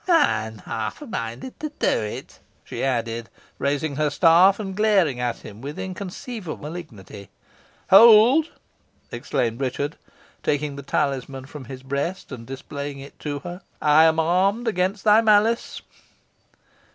I am half minded to do it," she added, raising her staff, and glaring at him with inconceivable malignity. "Hold!" exclaimed Richard, taking the talisman from his breast, and displaying it to her. "I am armed against thy malice!"